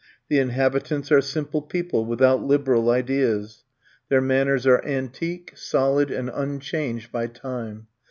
The inhabitants are simple people, without liberal ideas. Their manners are antique, solid, and unchanged by time.